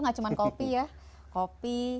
gak cuma kopi ya kopi